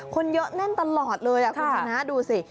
คนเยอะแน่นตลอดเลยคุณชนะดูสิ